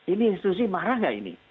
ini institusi marah nggak ini